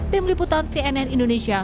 tim liputan cnn indonesia